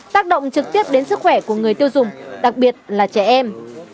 tác động trực tiếp đến sức khỏe của người tiêu dùng đặc biệt là trẻ em